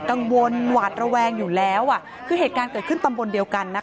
กังวลหวาดแววงอยู่แล้ว